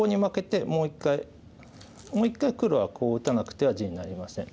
もう１回黒はこう打たなくては地になりません。